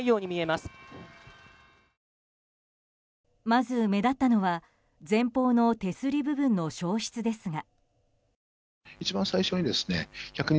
まず目立ったのは前方の手すり部分の消失ですが。